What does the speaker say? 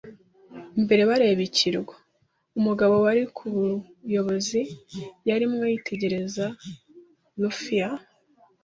imbere bareba ikirwa. Umugabo wari ku buyobozi yarimo yitegereza luff ya